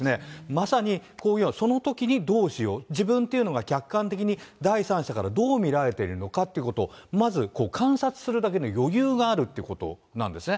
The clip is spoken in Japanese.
まさにこのような、そのときにどうしよう、自分っていうのが客観的に第三者からどう見られてるのかっていうことを、まず観察するだけの余裕があるってことなんですね。